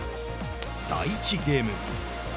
第１ゲーム。